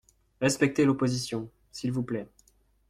Respectez l’opposition, s’il vous plaît.